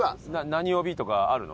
何帯とかあるの？